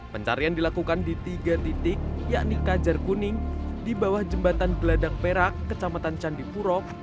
pencarian dilakukan di tiga titik yakni kajar kuning di bawah jembatan geladak perak kecamatan candipuro